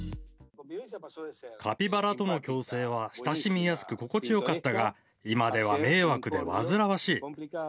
カピバラとの共生は親しみやすく心地よかったが、今では迷惑で煩わしい。